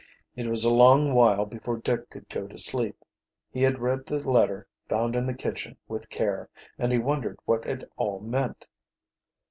It was a long while before Dick could go to sleep. He had read the letter found in the kitchen with care, and he wondered what it all meant.